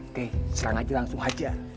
oke serang aja langsung aja